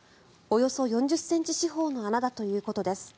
およそ４０ｃｍ四方の穴だということです。